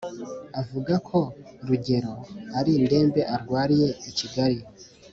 avuga ko rugero arindembe arwariye ikigali